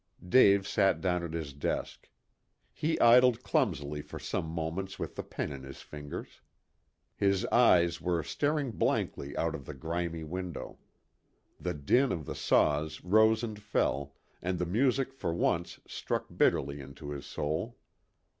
Dave sat down at his desk. He idled clumsily for some moments with the pen in his fingers. His eyes were staring blankly out of the grimy window. The din of the saws rose and fell, and the music for once struck bitterly into his soul.